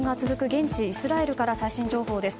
現地イスラエルから最新情報です。